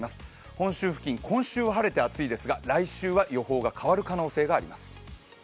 本州付近、今週は晴れて暑いですが来週は予報が変わる可能性があります。